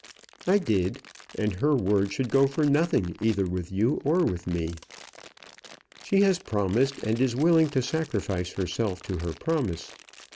"I did; and her word should go for nothing either with you or with me. She has promised, and is willing to sacrifice herself to her promise.